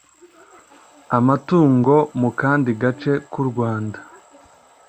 amatungo mu kandi gace ku rwanda